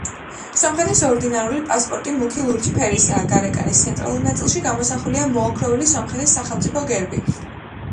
სომხეთის ორდინარული პასპორტი მუქი ლურჯი ფერისაა, გარეკანის ცენტრალურ ნაწილში გამოსახულია მოოქროვილი სომხეთის სახელმწიფო გერბი.